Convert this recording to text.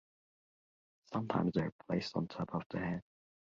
Sometimes they're placed on top of the head.